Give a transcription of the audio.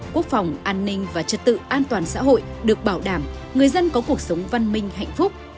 quốc phòng an ninh và trật tự an toàn xã hội được bảo đảm người dân có cuộc sống văn minh hạnh phúc